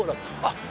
あっ！